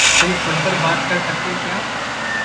तुम खुलकर बात कर सके क्या?